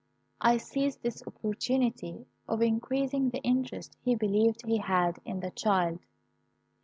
I seized this opportunity of increasing the interest he believed he had in the child.